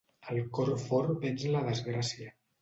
El cor fort venç la desgràcia.